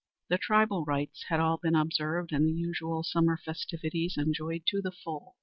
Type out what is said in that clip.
The tribal rites had all been observed, and the usual summer festivities enjoyed to the full.